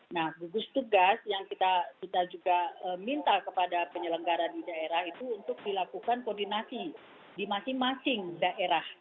nah gugus tugas yang kita juga minta kepada penyelenggara di daerah itu untuk dilakukan koordinasi di masing masing daerah